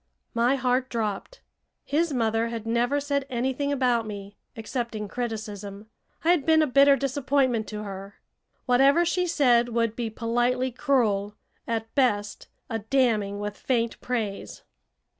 My heart dropped. His mother had never said anything about me, excepting criticism. I had been a bitter disappointment to her. Whatever she said would be politely cruel at best, a damning with faint praise.